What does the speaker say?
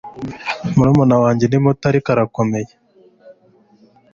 Murumuna wanjye ni muto ariko arakomeye